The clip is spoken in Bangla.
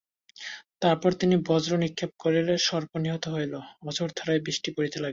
তারপর তিনি বজ্র-নিক্ষেপ করিলে সর্প নিহত হইল, অঝোর ধারায় বৃষ্টি পড়িতে লাগিল।